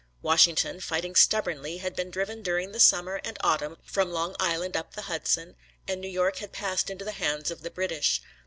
Washington, fighting stubbornly, had been driven during the summer and autumn from Long Island up the Hudson, and New York had passed into the hands of the British.